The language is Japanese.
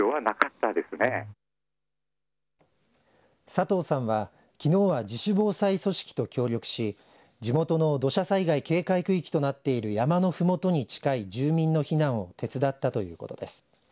佐藤さんはきのうは自主防災組織と協力し地元の土砂災害警戒区域となっている山のふもとに近い住民の避難を手伝ったということです。